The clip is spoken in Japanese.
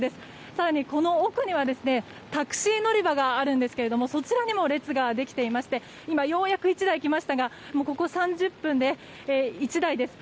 更にこの奥にはタクシー乗り場があるんですがそちらにも列ができていまして今、ようやく１台来ましたがここ３０分で、１台です。